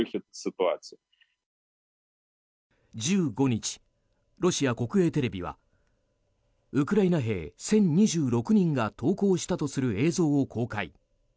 １５日、ロシア国営テレビはウクライナ兵１０２６人が投降したとする映像を公開。